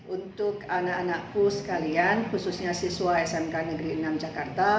untuk anak anakku sekalian khususnya siswa smk negeri enam jakarta